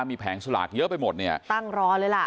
มีแผงสลากเยอะไปหมดเนี่ยตั้งรอเลยล่ะ